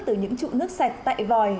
từ những trụ nước sạch tại vòi